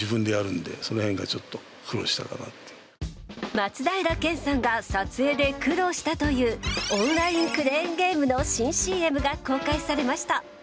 松平健さんが撮影で苦労したというオンラインクレーンゲームの新ＣＭが公開されました。